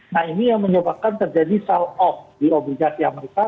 nah ini yang menyebabkan terjadi sell off di obligasi amerika